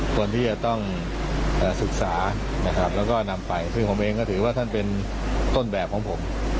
ควรที่จะต้องศึกษานะครับแล้วก็นำไปซึ่งผมเองก็ถือว่าท่านเป็นต้นแบบของผม